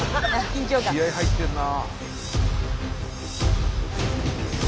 気合い入ってるな。